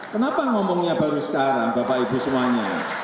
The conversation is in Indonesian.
kenapa ngomongnya baru sekarang bapak ibu semuanya